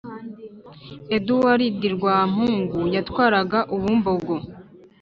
Eduwaridi Rwampungu yatwaraga Ubumbogo.